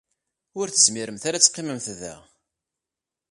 Ur tezmiremt ara ad teqqimemt da.